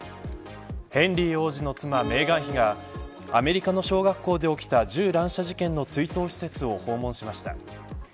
ヘンリー王子の妻メーガン妃がアメリカの小学校で起きた銃乱射事件の追悼施設を訪問しました。